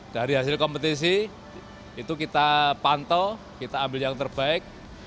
dari hasil kompetisi itu kita pantau kita ambil yang terbaik